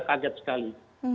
terang saya kaget sekali